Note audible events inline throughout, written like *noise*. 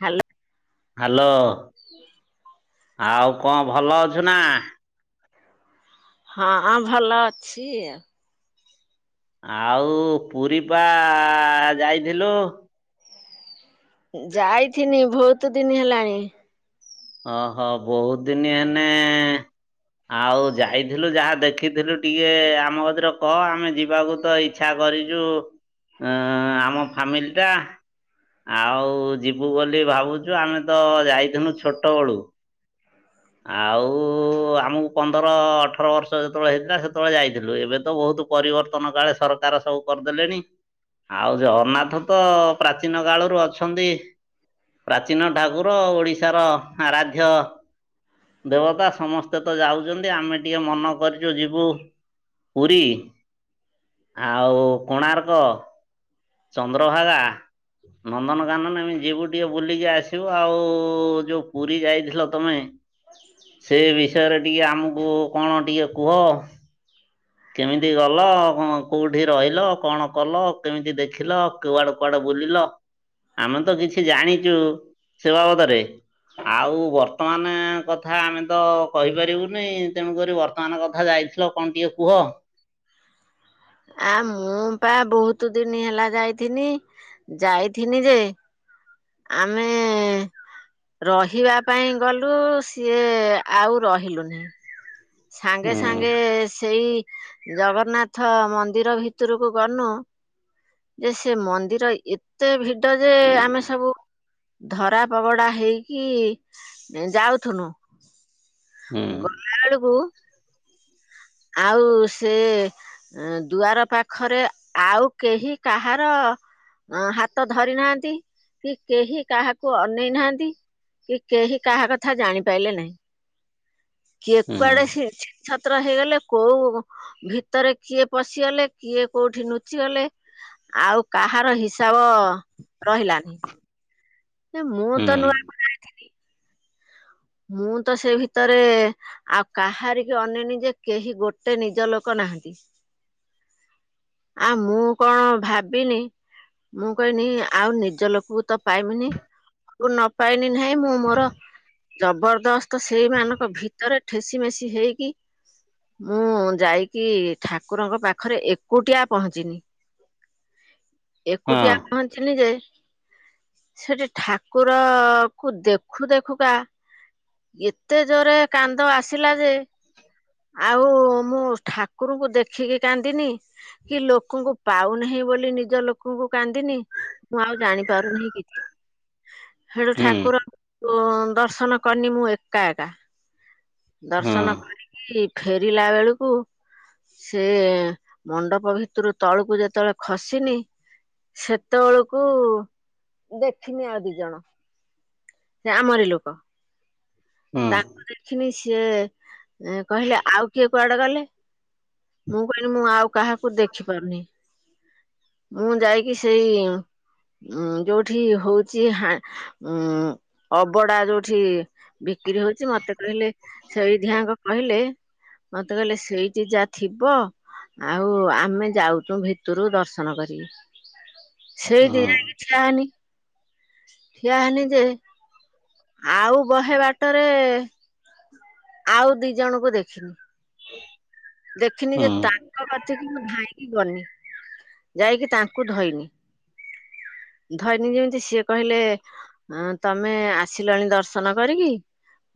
Hello hello ଆଉ କଣ ଭଲ ଅଛୁନା? ହଁ ହଁ ଭଲ ଅଛି ଆଉ। ଆଉ ପୁରୀପା ଯାଇଥିଲୁ? ଯାଇଥିନି ବହୁତୁ ଦିନି ହେଲାଣି। ଓହୋ ବହୁତ୍ ଦିନି ହେନେ ଆଉ ଯାଇଥିଲୁ ଯାହା ଦେଖିଥିଲୁ ଟିକେ ଆମ କତିରେ କହ ଆମେ ଯିବାକୁତ ଇ ଇଚ୍ଛା କରିଚୁ ଆମ ଫ୍ୟାମିଲିଟା। ଆଉ ଯିବୁ ବୋଲି ଭାବୁଚୁ ଆମେତ ଯାଇଥିନୁ ଛୋଟ ବେଳୁ। *inaudible* ଆଉ ଆମକୁ ପନ୍ଦର ଅଠର ବର୍ଷ ଯେତେବେଳେ ହେଇଥିଲା ସେତେବେଳେ ଯାଇଥିଲୁ ଏବେତ ବହୁତ ପରିବର୍ତ୍ତନ କାଳେ ସରକାର ସବୁ କରିଦେଲେଣି। ଆଉ ଜଗନ୍ନାଥତ ପ୍ରାଚୀନ କାଳରୁ ଅଛନ୍ତି। ପ୍ରାଚୀନ ଠାକୁର ଓଡିଶାର ଆରାଧ୍ୟ ଦେବତା ସମସ୍ତେତ ଯାଉଚନ୍ତି ଆମେ ଟିକେ ମନ କରିଚୁ ଯିବୁ ପୁରୀ ଆଉ କୋଣାର୍କ ଚନ୍ଦ୍ରଭାଗା ନନ୍ଦନକାନନ ଆମେ ଯିବୁ ଟିକେ ବୁଲିକି ଆସିବୁ ଆଉ ଯୋଉ ପୁରୀ ଯାଇଥିଲ ତମେ ସେ ବିଷୟରେ ଟିକେ ଆମକୁ କଣ ଟିକିଏ କୁହ? କେମିତି ଗଲ କୋଉଠି ରହିଲ କଣ କଲ କେମିତି ଦେଖିଲ କୁଆଡ଼େ କୁଆଡ଼େ ବୁଲିଲ ଆମେତ କିଛି ଜାଣିଚୁ ସେ ବାବଦରେ ଆଉ ବର୍ତ୍ତମାନ କଥା ଆମେତ କହିପାରିବୁନି ତେଣୁକରି ବର୍ତ୍ତମାନ କଥା ଯାଇ ଚ କଣ ଟିକେ କୁହ? ଆ ମୁଁପା ବହୁତ୍ ଦିନି ହେଲା ଯାଇଥିନି ଯାଇଥିନି ଯେ ଆମେ। ରହିବା ପାଇଁ ଗଲୁ ସିଏ ଆଉ ରହିଲୁନି। ସାଙ୍ଗେ ହୁଁ ସାଙ୍ଗେ ସେଇ ଜଗନ୍ନାଥ ମନ୍ଦିର ଭିତରକୁ ଗନୁ। ଯେ ସେ ମନ୍ଦିର ଏତେ ଭି ଟ ଯେ ଆମେ ସବୁ ଧରା ପଗଡା ହେଇକି ଇଁ ଯାଉଥୁନୁ। ହୁଁ ଗଲା ବେଳକୁ। ଆଉ ସେ। ଏଁ ଦୁଆର ପାଖରେ ଆଉ କେହି କାହାର। ଅ ହାତ ଧରି ନାହାନ୍ତି କି କେହି କାହାକୁ ଅନେଇ ନାହାନ୍ତି। କି କେହି କାହା କଥା ଜାଣିପାରିଲେ ନାହିଁ। କିଏ ହୁଁ କୁଆଡେ ଛିନ ଛତ୍ର ହେଇଗଲେ। କୋଉ ଭିତରେ କିଏ ପଶିଗଲେ କିଏ କୋଉଠି ନୁଚିଗଲେ। ଆଉ କାହାର ହିସାବ ରହିଲାନି। ଏ ମୁଁ ହୁଁ ତ ନୂଆ କୁ ଯାଏ। ମୁଁ ତ ସେ ଭିତରେ। ଆଉ କାହାରି କି ଅନେଇନି ଯେ କେହି ଗୋଟେ ନିଜ ଲୋକ ନାହାନ୍ତି। ଆ ମୁଁ କଣ ଭାବିନି। ମୁଁ କହିନି ଆଉ ନିଜ ଲୋକକୁ ତ ପାଇମିନି କୁ ନ ପାଇନି ନାହିଁ ମୁଁ ମୋର। ଜବରଦସ୍ତ ସେଇମାନଙ୍କ ଭିତରେ ଠେସି ମେସି ହେଇକି। ମୁଁ ଯାଇକି ଠାକୁରଙ୍କ ପାଖରେ ଏ ଏକୁଟିଆ ପହଞ୍ଚିନି ହଁ ଏକୁଟିଆ ପହଞ୍ଚିନି ଯେ। ସେଠି ଠାକୁର କୁ ଦେଖୁ ଦେଖୁକା। ଏତେ ଜୋରେ କାନ୍ଦ ଆସିଲା ଯେ। ଆଉ ମୁଁ ଠାକୁରଙ୍କୁ ଦେଖିକି କାନ୍ଦିନି। କି ଲୋକଙ୍କୁ ପାଉନାହିଁ ବୋଲି ନିଜ ଲୋକକୁ କାନ୍ଦିନି। ମୁଁ ଆଉ ଜାଣିପାରୁନି କିଛି। ହେଳୁ ହୁଁ ଠାକୁର ଅ ଦର୍ଶନ କନି ମୁଁ ଏକା ଏକା। ହଁ ଦର୍ଶନ କରିକି ଫେରିଲା ବେଳକୁ। ସେ ମଣ୍ଡପ ଭିତରୁ ତଳକୁ ଯେତେବେଳେ ଖସିନି। ସେତେବେଳକୁ ଦେଖିନି ଆଉ ଦି ଜଣ। ଆମରି ଲୋକ। ହଁ ମୁଁ ଦେଖିନି ସିଏ ଏଁ କହିଲେ। ଆଉ କିଏ କୁଆଡେ ଗଲେ? ମୁଁ କହିଲି ମୁଁ ଆଉ କାହାକୁ ଦେଖି ପାରୁନି ମୁଁ ଯାଇକି ସେଇ। ଉଁ ଯୋଉଠି ହଉଛି ହା ଉଁ। ଅବଡା ଯୋଉଠି ବିକ୍ରି ହଉଛି ମ ମତେ କହିଲେ ସେଇଠି ଆଙ୍କ କହିଲେ ମତେ କହିଲେ ସେଇଠି ଯା ଥିବ ଆଉ ଆମେ ଯାଉଛୁ ଭିତରୁ ଦର୍ଶନ କରି। ସେଇଠି ହଁ ଯାଇକି ଠିଆ ହେନି। ଠିଆ ହେନି ଯେ ଆଉ ବହେ ବାଟରେ। ଆଉ ଦି ଜଣଙ୍କୁ ଦେଖିନି। ଦେଖିନି ଯେ ତା ହଁ ତାଙ୍କ କତିକି ମୁଁ ଧାଇଁ କି ଗନି ଯାଇକି ତାଙ୍କୁ ଧଇନି। ଧଇନୀ ଯେମିତି ସିଏ କହିଲେ। ହଁ ତମେ ଆସିଲଣି ଦର୍ଶନ କରିକି।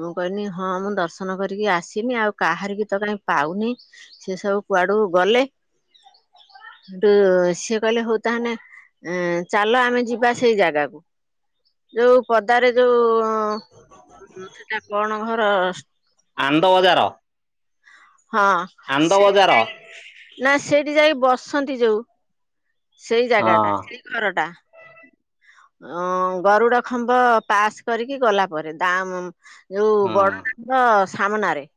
ମୁଁ କହିଲି ହଁ ମୁଁ ଦର୍ଶନ କରିକି ଆସିନି ଆଉ କାହାରି କିି ତ କାଇଁ ପାଉନି। ସିଏ ସବୁ କୁଆଡୁକୁ ଗଲେ। ହେଟୁ ସିଏ କହିଲେ ହଉ ତାହାନେ ଏଁ- ଚାଲ ଆମେ ଯିବା ସେଇ ଜାଗାକୁ ଯଉ ପଦାରେ ଯଉ *unintelligible* କଣ ଘର। ଆନନ୍ଦ ବଜାର। ହଁ ଆନନ୍ଦ ସେଇଠି ବଜାର ଯାଇକି ନା ସେଇଠି ଯାଇକି ବସନ୍ତି ଯଉ। ସେଇ ହଁ ଜାଗା ଟା ସେଇ ଘର ଟା। ଅ-ଗରୁଡ ଖମ୍ବ ପାସ୍ କରିକି ଗଲା ପରେ ଦାମ୍ ଯଉ ହଁ ବଡ଼ଦାଣ୍ଡ ସାମ୍ନାରେ।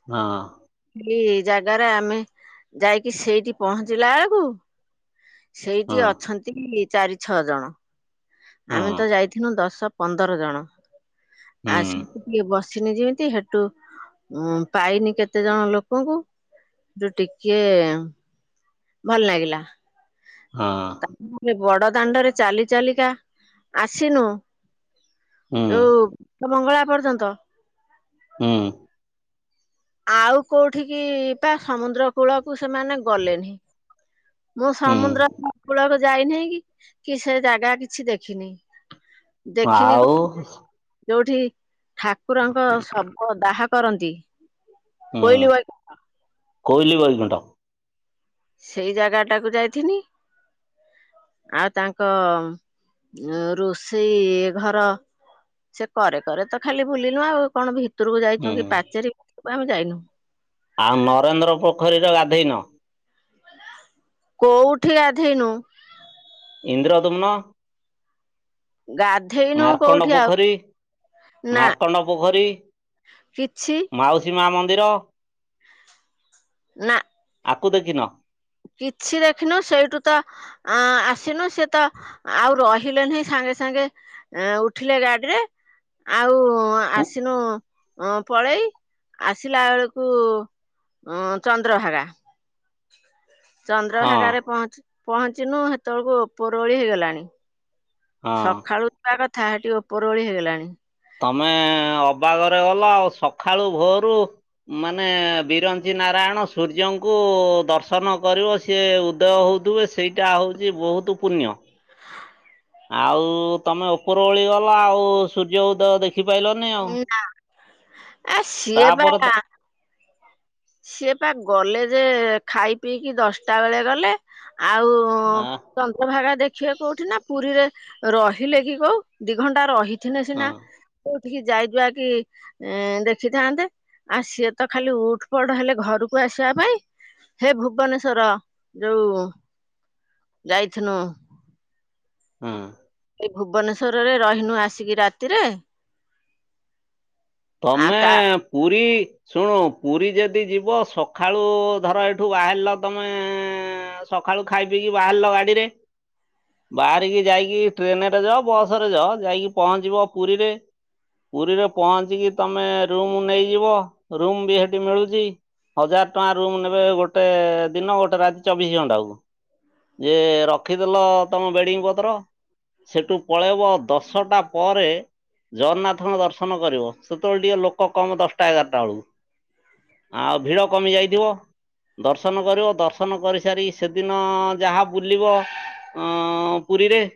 *unintelligible* ହେଇ ଜାଗାରେ ଆମେ ଯାଇକି ସେଇଠି ପହଞ୍ଚିଲା ବେଳକୁ ସେଇଠି ହଁ ଅଛନ୍ତି ଚାରି ଛଅ ଜଣ। ଆମେ ହଁ ତ ଯାଇଥିଲୁ ଦଶ, ପନ୍ଦର ଜଣ। ହୁଁ ଆସିକି ଟିକେ ବସିନି ଯେନ୍ତି ହେ ଟୁ ପାଇନି କେତେ ଜଣ ଲୋକଙ୍କୁ। ହେଟୁ ଟିକେ ଭଲ ଲାଗିଲା। ହଁ। ନହଲେ ବଡ ଦାଣ୍ଡରେ ଚାଲି ଚାଲିକା ଆସିନୁ ହୁଁ ଯଉ ମଙ୍ଗଳା ପର୍ଯ୍ୟନ୍ତ। ହୁଁ। ଆଉ କଉଠିକି ପା ସମୁଦ୍ର କୂଳ କୁ ସେମାନେ ଗଲେନି। ମୁଁ ସମୁଦ୍ର ହୁଁ କୂଳକୁ ଯାଇନାହିଁ କି- କି ସେ ଜାଗା କିଛି ଦେଖିନି। ଦେଖିନି ଆଉ ଯଉଠି ଠାକୁରଙ୍କ ଶବ ଦାହା କରନ୍ତି ହୁଁ କୋଇଲି ବଇ କୋଇଲି ବୈକୁଣ୍ଠ। ସେଇ ଜାଗା ଟାକୁ ଯାଇଥିନି। ଆଉ ତାଙ୍କ ରୋଷେଇ ଘର ସେ କରେ କରେ ତ ଖାଲି ବୁଲିଲୁ ଆଉ କଣ ଭିତରକୁ ଯାଇଚୁ କି ହୁଁ ପାଚେରୀ ଭିତରକୁ ଆମେ ଯାଇନୁ। ଆଉ ନରେନ୍ଦ୍ର ପୋଖରୀର ଗାଧେଇନ? କଉଠି ଗାଧେଇନୁ। ଇନ୍ଦ୍ରଦ୍ୟୁମ୍ନ ଗା ମାର୍କଣ୍ଡ ପୋଖରୀ- ନା ମାର୍କଣ୍ଡ ପୋଖରୀ, କିଛି ମାଉସୀ ମା ମନ୍ଦିର। ନା। ଆକୁ ଦେଖିନ? କିଛି ଦେଖିନୁ ସେଇଠୁ ତ ଆ -ଆସିନୁ ସେ ତ ଆଉ ରହିଲେନି ସାଙ୍ଗେ ସାଙ୍ଗେ ଏଁ ଉଠିଲେ ଗାଡିରେ ଆଉ କୁ ଆସିନୁ ଅଁ-ପଳେଇ ଆସିଲା ବେଳକୁ ଅଁ-ଚନ୍ଦ୍ରଭାଗା। ହଁ ଚନ୍ଦ୍ରଭାଗାରେ ପହ- ପହଞ୍ଚିନୁ ହେତେବେଳକୁ ଉପର ଉଳି ହେଇଗଲାଣି। ହଁ ସଖାଳୁ ଯିବା କଥା ହେଟି ଉପର ଉଳି ହେଇଗଲାଣି। ତମେ ଅବାଗରେ ଗଲ ଆଉ ସଖାଳୁ ଭୋରୁ ମାନେ ବିରଞ୍ଚି ନାରାୟଣ ସୂର୍ଯ୍ୟଙ୍କୁ ଦର୍ଶନ କରିବ ସିଏ ଉଦୟ ହଉଥିବେ ସେ ସେଇଟା ହଉଚି ବହୁତୁ ପୁଣ୍ୟ। *inaudible* ଆଉ ତମେ ଉପର ଓଳି ଗଲ ଆଉ, ସୂର୍ଯ୍ୟ ଉଦୟ ଦେଖି ଖି ପାଇଲନି ଆଉ। ଆ ସିଏ ବା ତା'ପରେ ତ ସିଏ ପା ଗଲେ ଯେ, ଖାଇ ପିଇକି ଦଶଟା ବେଳେ ଗଲେ। ଆଉ ଆଃ। ଚନ୍ଦ୍ରଭାଗା ଦେଖିବେ କୋଉଠି ନା! ପୁରୀରେ ରହିଲେ କି କୋଉ? ଦି ଘଣ୍ଟା ରହି ଥିନେ ସିନା। କୋଉଠିକି ଯାଇଯୁଆକି ଏଁ ଦେଖିଥାନ୍ତେ? ଆଉ ସିଏ ତ ଖାଲି ଉଠ୍ ବଡ ହେଲେ ଘରକୁ ଆସିବା ପାଇଁ, ହେ ଭୁବନେଶ୍ଵର ଯୋଉ ଯାଇଥିନୁ। ହୁଁ। ଏଇ ଭୁବନେଶ୍ୱରରେ ରହିନୁ ଆସିକି ରାତିରେ। ଆଉ ତା ତମେଁ ପୁରୀ ଶୁଣୁ ପୁରୀ ଯଦି ଯିବ, ସକାଳୁ ଧର ଏଇଠୁ ବାହାରିଲ ତମେ-ଏଁ ଆଉ, ସଖାଳୁ ଖାଇ ପିଇକି ବାହାରିଲ ଗାଡିରେ। ବାହାରିକି ଯାଇକି ଟ୍ରେନ୍ ରେ ଯଅ ବସ ରେ ଯଅ ଯାଇକି ପହଞ୍ଚିବ ପୁରୀରେ। ପୁରୀରେ ପହଞ୍ଚିକି, ତମେ ରୁମ୍ ନେଇଯିବ। ରୁମ୍ ବି ହେଠି ମିଳୁଛି। ହଜାର ଟଆଁ ରୁମ଼୍ ନେବେ, ଗୋଟେ ଦିନ ଗୋଟେ ରାତି ଚବିଶ ଘଣ୍ଟାକୁ। ଯେ ରଖିଦେଲ ତମ ବେଡିଙ୍ଗ୍ ପତ୍ର। ସେଠୁ ପଳେଇବ ଦଶଟା ପରେ ଜଗନ୍ନାଥଙ୍କ ଦର୍ଶନ କରିବ। ସେତେବେଳେ ଟିକେ ଲୋକ କମ୍ ଦଶଟା ଏଗାରଟା ଅଳକୁ? ଆଉ ଭିଡ କମି ଯାଇଥିବ। ଦର୍ଶନ କରିବ। ଦର୍ଶନ କରି ସାରି ସେଦିନ-ଅ ଯାହା ବୁଲିବ ଅଁ ପୁରୀରେ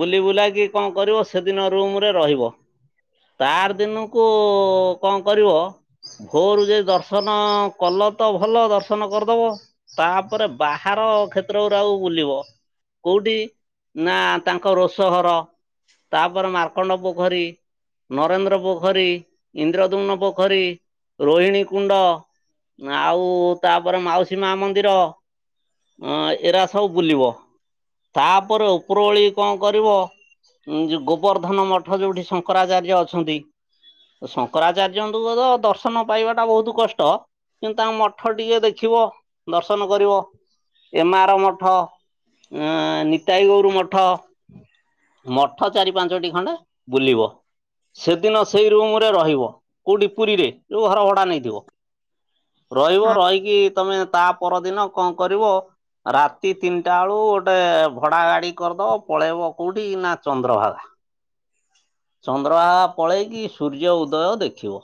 ବୁଲି ବୁଲାକି କଣ କରିବ! ସେଦିନ ରୁମ୍ ରେ ରହିବ। ତା' ଆର ଦିନୁ କୋ କଣ କରିବ? ଭୋରୁ ଜେ ଦର୍ଶନ କଲ ତ ଭଲ ଦର୍ଶନ କରିଦବ। ତା'ପରେ ବାହାର କ୍ଷେତ୍ରରୁ ଆଉ ବୁଲିବ। କୋଉଟି? ନା, ତାଙ୍କ ରୋଷ ଘର ତା'ପରେ ମାର୍କଣ୍ଡ ପୋଖରୀ, ନରେନ୍ଦ୍ର ପୋଖ୍ କରି ପୋଖରୀ, ଇନ୍ଦ୍ରଦୁମ୍ନ ପୋଖରୀ, ରୋହିଣୀ କୁଣ୍ଡ ଆଉ ତା'ପରେ ମାଉସୀ ମା ମନ୍ଦିର। ଏରା ସବୁ ବୁଲିବ। ତା'ପରେ ଉପର ଓଳି କଣ କରିବ? ଉଁ, ଗୋବର୍ଦ୍ଧନ ମଠ ଯୋଉଠି ଶଙ୍କରାଚାର୍ଯ୍ୟ ଅଛନ୍ତି। ଶଙ୍କରାଚାର୍ଯ୍ୟଙ୍କୁୁ ତୁମ ତ, ଦର୍ଶ ନ ପାଇବା ଟା ବହୁତ କଷ୍ଟ। କିନ୍ତୁ, ତାଙ୍କ ମଠ ଟିକେ ଦେଖିବ। ଦର୍ଶନ କରିବ। ଏମାର ମଠ, ଉଁ ନିତାଇ ଗୌର ମଠ। ମଠ ଚାରି ପାଞ୍ଚଟି ଖଣ୍ଡେ ବୁଲିବ। ସେ ଦିନ ସେଇ ରୁମ୍ ରେ ରହିବ କୋଉଠି ପୁରୀରେ ଯୋଉ ଘର ଭଡା ନେଇଥିବ। ରହିବ, ହଁ ରହିକି, ତମେ ତା ପରଦିନ କଣ କରିବ? ରାତି ତିନିଟାଳୁ ଗୋଟେ ଭଡା ଗାଡି କରିଦବ ପଳେଇବ, କୋଉଠି ନା ଚନ୍ଦ୍ରଭାଗା। ଚନ୍ଦ୍ରଭଗା ପଳେଇକି ସୂର୍ଯ୍ୟ ଉଦୟ ଦେଖିବ।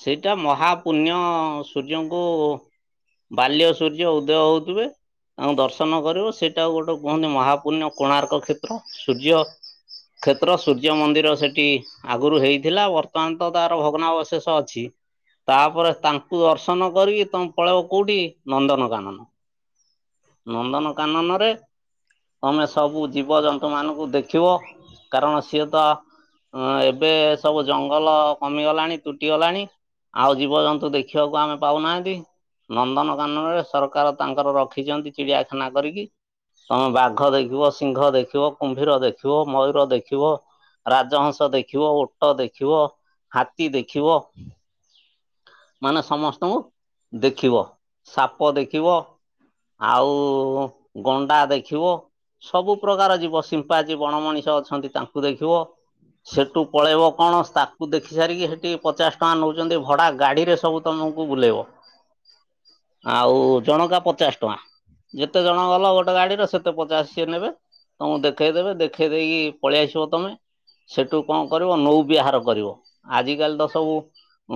ସେଇଟା ମହାପୁଣ୍ୟ-ଅଁ, ସୂର୍ଯ୍ୟଙ୍କୁ ବାଲ୍ୟ ସୂର୍ଯ୍ୟ ଉଦୟ ହଉଥିବେ। ତାଙ୍କୁ ଦର୍ଶନ କରିବୁ ସେଇଟା ଗୋଟେ କୁହନ୍ତି, ମହାପୁଣ୍ୟ କୋଣାର୍କ କ୍ଷେତ୍ର। ସୂର୍ଯ୍ୟ କ୍ଷେତ୍ର ସୂର୍ଯ୍ୟ ମନ୍ଦିର ସେଠ୍ ଟି ଆଗରୁ ହେଇଥିଲା ବର୍ତ୍ତମାନ ତ ତାର ଭଗ୍ନା ଅବଶେଷ ଅଛି। ତାପରେ ତାଙ୍କୁ ଦର୍ଶନ କରିକି ତମେ ପଳେଇବ କୋଉଠି ନନ୍ଦନକାନନ। ନନ୍ଦନକାନନରେ ତମେ ସବୁ ଜୀବଜନ୍ତୁମାନଙ୍କୁ ଦେଖିବ କାରଣ ସିଏ ତ ହଁ ଏବେ ସବୁ ଜଙ୍ଗଲ କମିଗଲାଣି ତୁଟିଗଲାଣି। ଆଉ ଜୀବଜନ୍ତୁ ଦେଖିବାକୁ ଆମେ ପାଉନାହାଁନ୍ତି। ନନ୍ଦନକାନନ ରେ ସରକାର ତାଙ୍କର ରଖିଛନ୍ତି ଚିଡ଼ିଆଖାନା କରିକି। ତମେ ବାଘ ଦେଖିବ ସିଂହ ଦେଖିବ। କୁମ୍ଭୀର ଦେଖିବ ମୟୂର ଦେଖିବ ରାଜହଂ ଦେଖିବ ଓଟ ଦେଖିବ ହାତୀ ଦେଖିବ। ମାନେ ସମସ୍ତଙ୍କୁ ଦେଖିବ ସାପ ଦେଖିବ। ଆଉ ଗଣ୍ଡା ଦେଖିବ। ସବୁ ପ୍ରକାର ଜୀବ ସିମ୍ପାଜୀ ବଣ ମଣିଷ ଅଛନ୍ତି ତାଙ୍କୁ ଦେଖିବ। ସେଠୁ ପଳେଇବ କଣ ସ୍ତାପୁ ଦେଖି ସାରିକି ସେଠି ପଚାଶ ଟଙ୍କା ନଉଛନ୍ତି ଭଡ଼ା ଗାଡ଼ିରେ ସବୁ ତମକୁ ବୁଲେଇବ। ଆଉ ଜଣକା ପଚାଶ ଟଙ୍କା। ଯେତେ ଜଣ ଗଲ ଗୋଟେ ଗାଡିରେ ସେତେ ପଚାଶ ସିଏ ନେବେ। ତମକୁ ଦେଖେଇଦବେ ଦେଖେଇ ଦେଇକି ପଳେଇ ଆସିବ ତମେ। ସେଠୁ କଣ କରିବ ନୌବିହାର କରିବ ଆଜିକାଲି ତ ସବୁ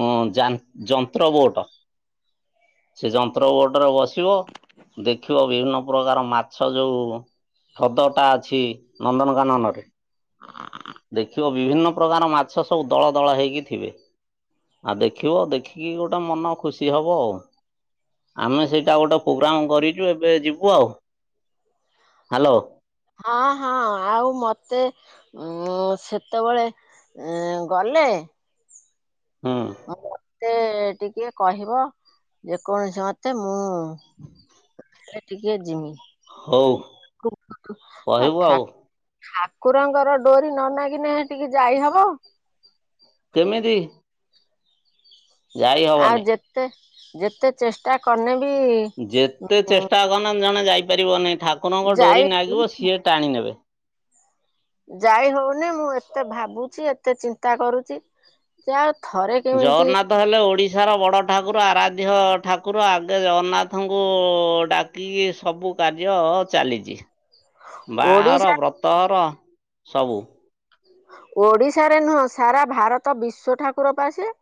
ଉଁ ଯା ଯନ୍ତ୍ର ବୋଟ ସେ ଯନ୍ତ୍ର ବୋଟରେ ବସିବ। ଦେଖିବ ବିଭିନ୍ନ ପ୍ରକାର ମାଛ ଯୋଉ ହ୍ରଦଟା ଅଛି ନନ୍ଦନକାନନରେ। ଦେଖିବ ବିଭିନ୍ନ ପ୍ରକାର ମାଛ ସବୁ ଦଳ ଦଳ ହେଇକି ଥିବେ। ଆଉ ଦେଖିବ ଦେଖିକି ଗୋଟେ ମନ ଖୁସି ହବ ଆଉ। ଆମେ ସେଇଟା ଗୋଟେ ପ୍ରୋଗ୍ରାମ କରିଛୁ ଏବେ ଯିବୁ ଆଉ ହ୍ୟାଲୋ। ହଁ ହଁ ଆଉ ମତେ ଉ ସେତେବେଳେ ଉ ଗଲେ ହୁଁ ମୁଁ ମତେ ଟିକେ କହିବ ଯେକୌଣସି ମତେ ମୁଁ ହେଲେ ଟିକେ ଜିମି। ହଉ *unintelligible* କହିବୁ ଆଉ ଠାକୁରଙ୍କର ଡୋରି ନ ନାହେଲେ ଟିକେ ଯାଇହବ? କେମିତି? ଯାଇ ଆଉ ହବନି ଯେତେ ଯେତେ ଚେଷ୍ଟା କନେ ବି ଯେତେ ଚେଷ୍ଟା କରନେ ଜଣେ ଯାଇପାରିବନିହିଁ ଠାକୁରଙ୍କ ଡୋରି ଯାଇ ନାଗିବ ସିଏ ଟାଣି ନେବେ। ଯାଇ ହଉନି ମୁଁ ଏତେ ଭାବୁଛି ଏତେ ଚିନ୍ତା କରୁଚି। ସେ ଆଉ ଥରେ କେମିତି ଓଡ଼ିଶାର ବଡ଼ ଠାକୁର ଆରାଧ୍ୟ ଠାକୁର ଆଗେ ଜଗନ୍ନାଥଙ୍କୁ ଡାକ କି ସବୁ କାର୍ଯ୍ୟ ଚାଲିଛି। ବାହାଘର ଓଡିଶା ବ୍ରତର ସବୁ। ଓଡ଼ିଶାରେ ନୁହଁ ସାରା ଭାରତ ବିଶ୍ଵ ଠାକୁର ପାସେ।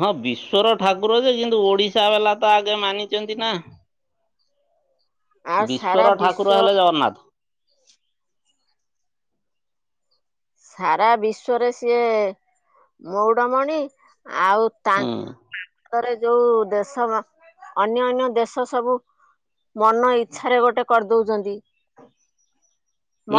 ହଁ ବିଶ୍ଵର ଠାକୁର ଯେ କିନ୍ତୁ ଓଡିଶା ବାଲା ତ ଆଗେ ମାନିଛନ୍ତି ନା। ଆଉ ସାରା ବିଶ୍ଵର ଠାକୁର ବିଶ୍ଵ ହେଲେ ଜଗନ୍ନାଥ। ସାରା ବିଶ୍ଵରେ ସିଏ ମଉଢମଣି ଆଉ ତା ହୁଁ ରେ ଯୋଉ ଦେଶ ଅନ୍ୟ ଅନ୍ୟ ଦେଶ ସବୁ ମନ ଇଚ୍ଛାରେ ଗୋଟେ କରିଦଉଛନ୍ତି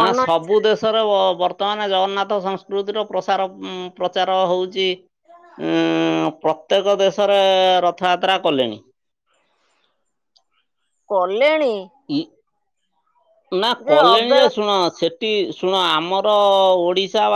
ନା ସବୁ ଦେ ଶର ବର୍ତ୍ତମାନ ଜଗନ୍ନାଥ ସଂସ୍କୃତିର ପ୍ରସାର ଉଁ ପ୍ରଚାର ହୋଉଚି। ଉଁ ପ୍ରତ୍ୟେକ ଦେଶରେ ରଥଯାତ୍ରା କଲେଣି। କଲେଣି ନା କଲେଣି ଯେ ଶୁଣ ସେ ଟି ଶୁଣ ଆମର ଓଡିଶା ବାସି